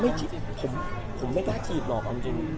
ไม่จีบผมไม่กล้าจีบหรอกจริง